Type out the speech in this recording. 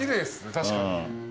確かに。